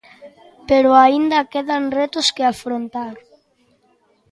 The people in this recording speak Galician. Pero aínda quedan retos que afrontar.